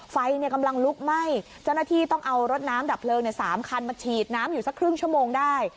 ไฟกำลังลุกไหม้เจ้าหน้าที่ต้องเอารถน้ำดับเพลิง๓คันมาฉีดน้ำอยู่สักครึ่งชั่วโมงได้